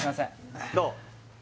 どう？